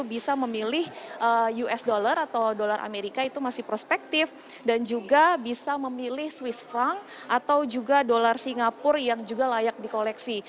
jadi kalau misalnya ingin membeli dolar amerika dia akan membeli dolar indonesia dan ini bisa memilih usd dan juga bisa memilih swiss franc atau juga dolar singapura yang juga layak di koleksi